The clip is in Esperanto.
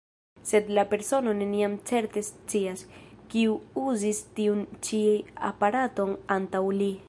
Sed la persono neniam certe scias, kiu uzis tiun ĉi aparaton antaŭ li.